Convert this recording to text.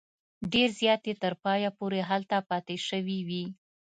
ډېر زیات یې تر پایه پورې هلته پاته شوي وي.